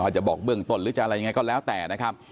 จะบอกเบื้องต้นหรือจะอะไรยังไงก็แล้วแต่นะครับ